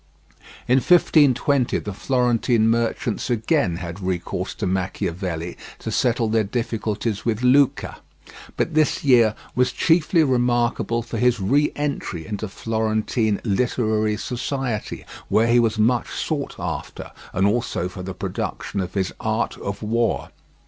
In 1520 the Florentine merchants again had recourse to Machiavelli to settle their difficulties with Lucca, but this year was chiefly remarkable for his re entry into Florentine literary society, where he was much sought after, and also for the production of his "Art of War."